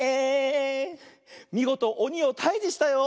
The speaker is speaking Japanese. みごとおにをたいじしたよ。